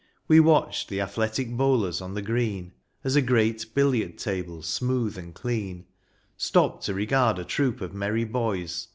We watched the athletic bowlers on the green, As a great billiard table smooth and clean ; Stopped to regard a troop of merry boys.